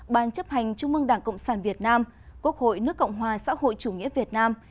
ban chấp hành trung mương đảng cộng sản việt nam quốc hội nước cộng hòa xã hội chủ nghĩa việt nam